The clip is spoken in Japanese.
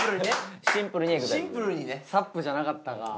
サップじゃなかったか。